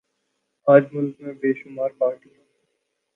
آج ملک میں بے شمار پارٹیاں